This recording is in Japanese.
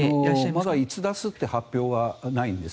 まだいつ出すという発表はないんです。